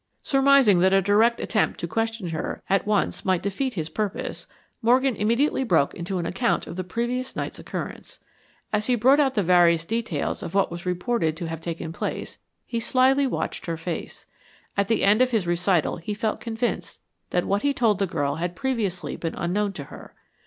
Surmising that a direct attempt to question her at once might defeat his purpose, Morgan immediately broke into an account of the previous night's occurrence. As he brought out the various details of what was reported to have taken place, he slyly watched her face. At the end of his recital, he felt convinced that what he told the girl had previously been unknown to her.